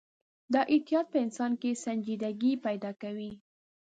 دا احتیاط په انسان کې سنجیدګي پیدا کوي.